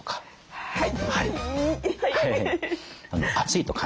はい。